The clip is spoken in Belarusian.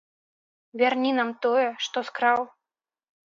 Вярні нам тое, што скраў.